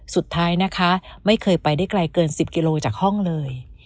สุดท้ายนะคะไม่เคยไปได้ไกลเกิน๑๐กิโลจากห้องเลย